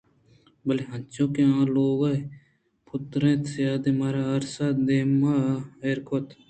بلے انچو کہ آ لوگ ءَ پُترت ءُسیاہ مارے آس ءِ دیما ایر کُت